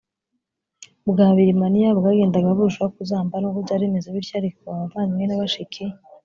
bwa birimaniya bwagendaga burushaho kuzamba nubwo byari bimeze bityo ariko abavandimwe na bashiki